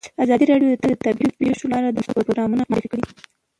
ازادي راډیو د طبیعي پېښې لپاره د مرستو پروګرامونه معرفي کړي.